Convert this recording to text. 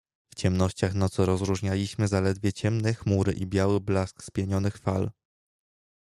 "W ciemnościach nocy rozróżnialiśmy zaledwie ciemne chmury i biały blask spienionych fal."